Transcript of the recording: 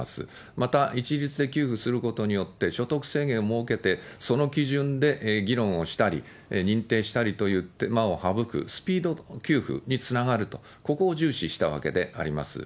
また、一律で給付することによって所得制限を設けて、その基準で議論をしたり、認定したりという手間を省く、スピード給付につながると、ここを重視したわけであります。